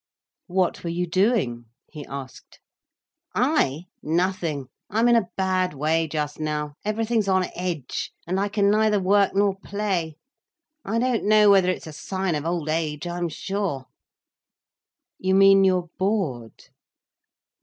"What were you doing?" he asked. "I? Nothing. I'm in a bad way just now, everything's on edge, and I can neither work nor play. I don't know whether it's a sign of old age, I'm sure." "You mean you are bored?"